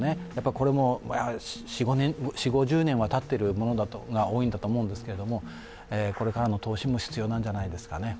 これも４０５０年たっているものが多いと思うんですが、これからの投資も必要なんじゃないですかね。